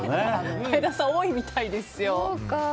前田さん、多いみたいですよ。